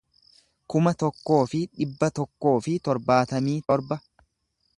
kuma tokkoo fi dhibba tokkoo fi torbaatamii torba